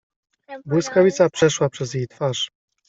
Błyskawica przeszła przez jej twarz.